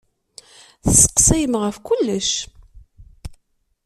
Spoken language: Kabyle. Tesseqsayem ɣef kullec.